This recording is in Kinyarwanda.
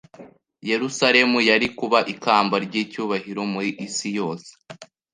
Yerusalemu yari kuba ikamba ry'icyubahiro mu isi yose.